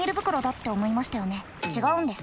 違うんです。